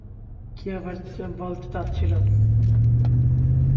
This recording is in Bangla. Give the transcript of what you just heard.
কী আবার বলতে চাচ্ছিলাম?